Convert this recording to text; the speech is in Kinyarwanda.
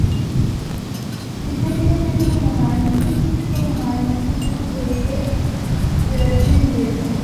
Intege nke zumuhanzi zumuhanzi zahujwe zirazimira